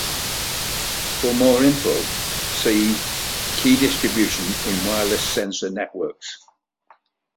For more info see: key distribution in wireless sensor networks.